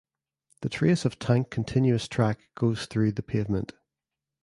The trace of tank continuous track goes through the pavement.